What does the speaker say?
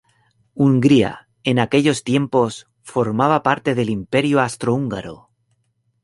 Hungría, en aquellos tiempos, formaba parte del Imperio austrohúngaro.